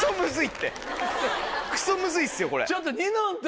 クソむずいですよこれ。